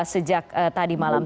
sejak tadi malam